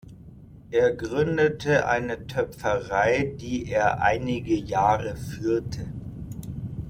Er gründete eine Töpferei, die er einige Jahre führte.